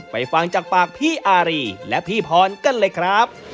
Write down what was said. ฟังจากปากพี่อารีและพี่พรกันเลยครับ